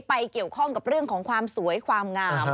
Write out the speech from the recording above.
เกี่ยวข้องกับเรื่องของความสวยความงาม